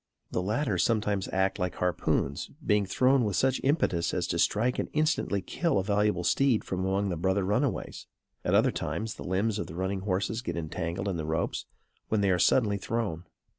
The latter sometimes act like harpoons, being thrown with such impetus as to strike and instantly kill a valuable steed from among the brother runaways. At other times, the limbs of the running horses get entangled in the ropes, when they are suddenly thrown.